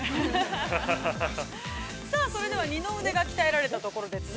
◆さあそれでは、二の腕が鍛えられたところで。